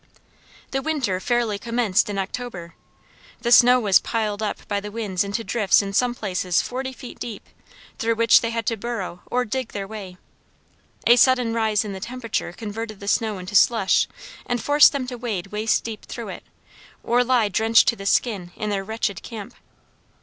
The winter fairly commenced in October. The snow was piled up by the winds into drifts in some places forty feet deep, through which they had to burrow or dig their way. A sudden rise in the temperature converted the snow into slush, and forced them to wade waist deep through it, or lie drenched to the skin in their wretched camp.